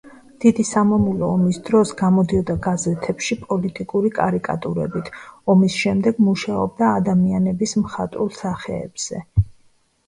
დიდი სამამულო ომის დროს გამოდიოდა გაზეთებში პოლიტიკური კარიკატურებით, ომის შემდეგ მუშაობდა ადამიანების მხატვრულ სახეებზე.